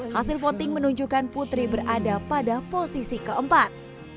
hasil voting menunjukkan putri berada pada posisi keempat